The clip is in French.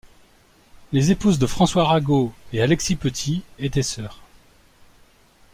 Les épouses de François Arago et Alexis Petit étaient sœurs.